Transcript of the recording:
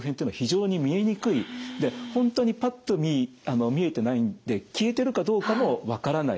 本当にパッと見見えてないんで消えてるかどうかも分からない。